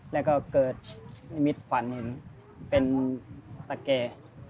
แล้วก็เกิดนิมิตฝันเห็นเป็นตะแก่